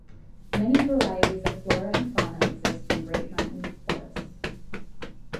Many varieties of flora and fauna exist in Great Mountain Forest.